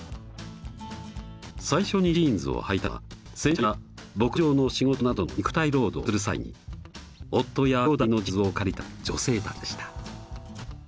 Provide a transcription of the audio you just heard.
最初にジーンズをはいたのは洗車や牧場の仕事などの肉体労働をする際に夫や兄弟のジーンズを借りた女性たちでした。